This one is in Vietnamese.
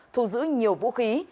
thu giữ nhiều vũ khí